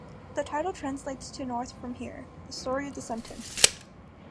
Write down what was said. The title translates to North from Here - The Story of Sentenced.